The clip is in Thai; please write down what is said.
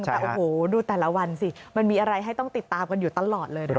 แต่โอ้โหดูแต่ละวันสิมันมีอะไรให้ต้องติดตามกันอยู่ตลอดเลยนะคะ